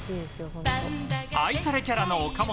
愛されキャラの岡本。